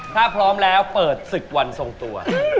ถ้าพร้อมแล้วเปิดศึกวันทรงตัว